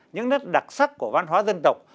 những nét đặc sắc của văn hóa dân tộc